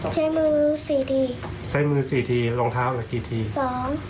ใส่มือสี่ทีใส่มือสี่ทีรองเท้าก็กี่ทีสอง